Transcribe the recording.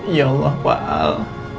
ya allah pak al